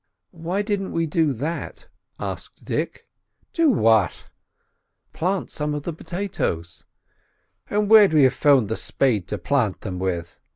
"Why didn't we do that?" asked Dick. "Do what?" asked Mr Button. "Plant some of the potatoes." "And where'd we have found the spade to plant them with?"